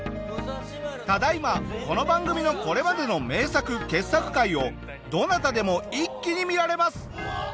ただ今この番組のこれまでの名作傑作回をどなたでも一気に見られます！